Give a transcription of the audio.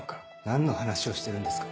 何の話をしてるんですか？